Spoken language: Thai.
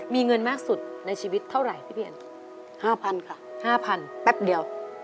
มีเงินมากสุดในชีวิตเท่าไหร่พี่เพียนห้าพันค่ะห้าพันแป๊บเดียว